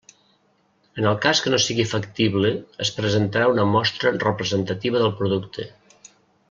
En el cas que no sigui factible es presentarà una mostra representativa del producte.